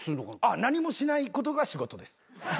何もしないことが仕事です。